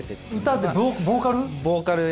歌ってボーカル？